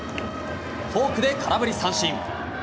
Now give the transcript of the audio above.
フォークで空振り三振。